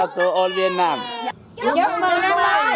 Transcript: chúc mừng năm mới